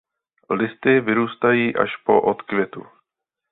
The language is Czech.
Listy vyrůstají až po odkvětu.